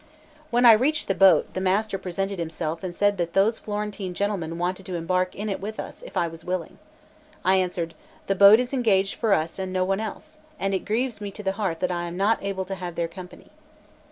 When I reached the boat, the master presented himself and said that those Florentine gentlemen wanted to embark in it with us, if I was willing. I answered: "The boat is engaged for us and no one else, and it grieves me to the heart that I am not able to have their company."